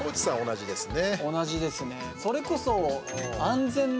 同じですね。